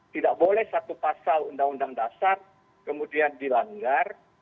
tidak boleh satu pasal undang undang dasar kemudian dilanggar